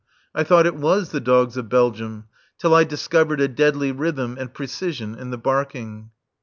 I thought it was the dogs of Belgium, till I discovered a deadly rhythm and precision in the barking.